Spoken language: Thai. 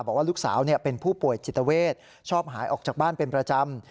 บอกว่าลูกสาวเป็นผู้ป่วยจิตเวทชอบหายออกจากบ้านเป็นประจำ